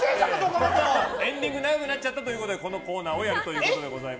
エンディング長くなっちゃうということでこのコーナーをやると。